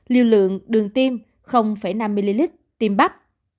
liều lượng đường tiêm năm ml tiêm bắp